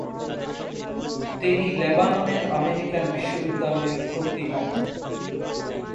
তিনি লেবাননের আমেরিকান বিশ্ববিদ্যালয়ে ভর্তি হন।